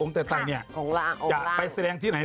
องค์เตะไต้นี่จะไปแสดงที่ไหน